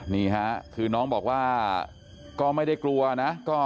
นี่ค่ะคือน้องบอกว่าก็ไม่ได้กลัวนะ